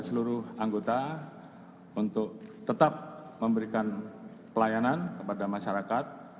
seluruh anggota untuk tetap memberikan pelayanan kepada masyarakat